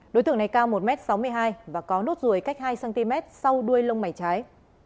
đối tượng này cao một m sáu mươi hai và có nốt ruồi cách hai cm sau đuôi lông mày trái